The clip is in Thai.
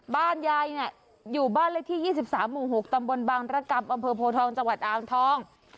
บ้านยายอยู่บ้านเลขที่๒๓๖ตำบลบางรักกับอโพทองจอทอง